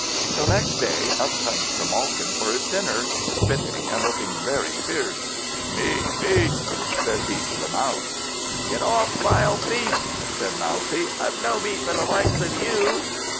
So next day up comes Grimalkin for his dinner, spitting and looking very fierce. "Meat! meat!" says he to the Mouse. "Get off, vile thief!" says Mousie, "I've no meat for the likes of you!"